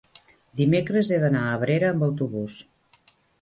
dimecres he d'anar a Abrera amb autobús.